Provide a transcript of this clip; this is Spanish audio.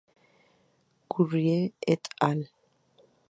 Currie "et al.